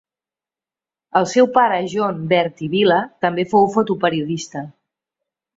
El seu pare Joan Bert i Vila també fou fotoperiodista.